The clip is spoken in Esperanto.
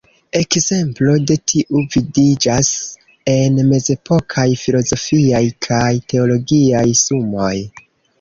Ekzemplo de tiu vidiĝas en mezepokaj filozofiaj kaj teologiaj sumoj.